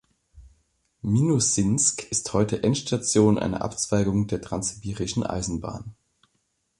Minussinsk ist heute Endstation einer Abzweigung der Transsibirischen Eisenbahn.